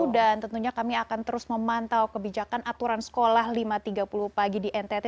dan tentunya kami akan terus memantau kebijakan aturan sekolah lima tiga puluh pagi di ntt